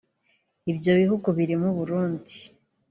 Ibyo bihugu birimo u Burundi